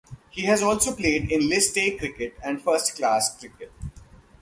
He has also played List A cricket and first-class cricket.